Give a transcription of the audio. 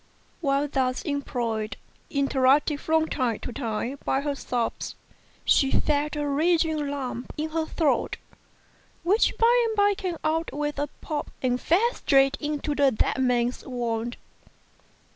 While thus employed, interrupted from time to time by her sobs, she felt a rising lump in her throat, which by and by came out with a pop and fell straight into the dead man's wound.